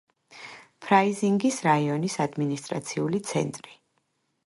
ფრაიზინგის რაიონის ადმინისტრაციული ცენტრი.